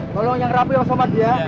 tolong yang rapi pak somad ya